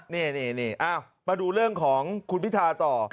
นี่นี่นี่มาดูเรื่องของคุณพิทาต่อ